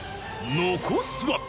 残すは。